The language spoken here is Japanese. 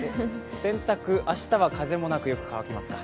洗濯、明日は風もなくよく乾きますか？